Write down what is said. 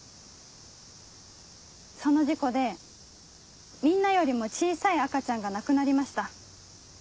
その事故でみんなよりも小さい赤ちゃんが亡くなりました。